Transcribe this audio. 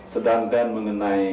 sedangkan mengenai kejiwaan